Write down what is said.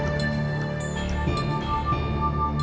orang yang dihidupinkan kembali oleh